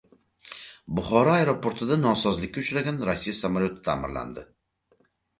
Buxoro aeroportida nosozlikka uchragan Rossiya samolyoti ta’mirlandi